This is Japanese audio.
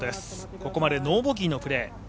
ここまでノーボギーのプレー。